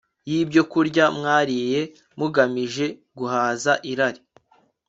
yibyokurya mwariye mugamije guhaza irari